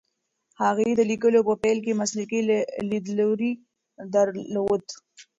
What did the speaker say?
هغې د لیکلو په پیل کې مسلکي لیدلوری درلود.